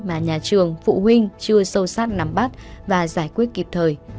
mà nhà trường phụ huynh chưa sâu sát nắm bắt và giải quyết kịp thời